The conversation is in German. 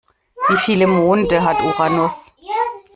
Wie viele Monde hat Uranus?